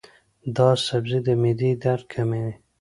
دا سبزی د معدې درد کموي.